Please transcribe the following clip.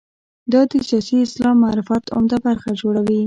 دا د سیاسي اسلام معرفت عمده برخه جوړوي.